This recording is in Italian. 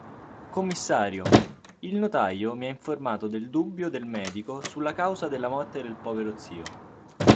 Commissario, il notaio mi ha informato del dubbio del medico sulla causa della morte del povero zio.